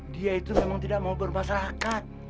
dia itu memang tidak mau bermasyarakat